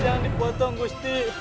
jangan dipotong gusti